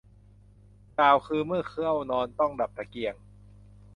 กล่าวคือเมื่อเข้านอนต้อง ดับตะเกียง